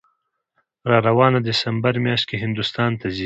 راروانه دسامبر میاشت کې هندوستان ته ځي